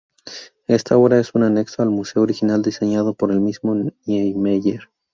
Esta obra es un anexo al museo original diseñado por el mismo Niemeyer.